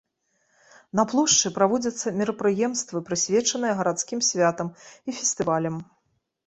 На плошчы праводзяцца мерапрыемствы, прысвечаныя гарадскім святам і фестывалям.